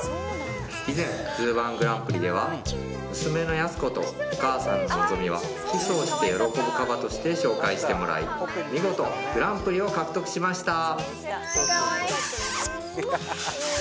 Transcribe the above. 以前「ＺＯＯ−１グランプリ」では娘のヤスコとお母さんのノゾミはキスをして喜ぶカバとして紹介してもらい見事グランプリを獲得しました